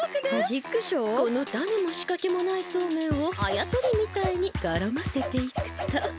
このタネもしかけもないソーメンをあやとりみたいにからませていくと。